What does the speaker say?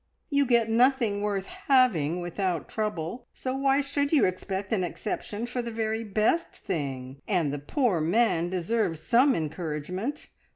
You get nothing worth having without trouble, so why should you expect an exception for the very best thing? And the poor man deserves some encouragement.